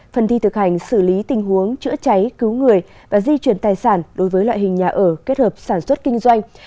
phần thi thực hành xử lý tình huống chữa cháy cứu người và di chuyển tài sản đối với loại hình nhà ở kết hợp sản xuất kinh doanh